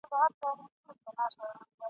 له غړومبي چي وېرېدلی وو پښېمان سو !.